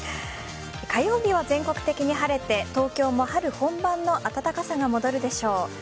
火曜日は全国的に晴れて東京も春本番の暖かさが戻るでしょう。